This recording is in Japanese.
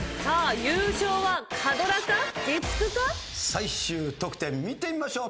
最終得点見てみましょう。